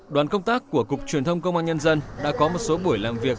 đoàn công tác của cục truyền thông công an nhân dân đã có một số buổi làm việc